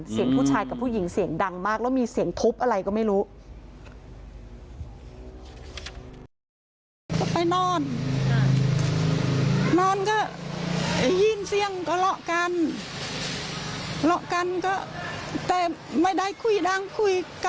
ผู้ชายกับผู้หญิงเสียงดังมากแล้วมีเสียงทุบอะไรก็ไม่รู้